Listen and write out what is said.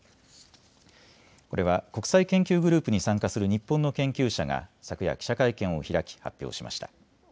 これは国際研究グループに参加する日本の研究者が昨夜記者会見を開き発表しました。